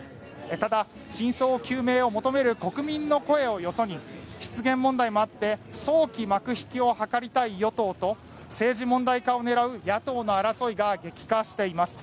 ただ、真相究明を求める国民の声をよそに失言問題もあって早期幕引きを図りたい与党と政治問題化を狙う野党の争いが激化しています。